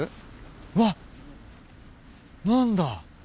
うわ。何だ？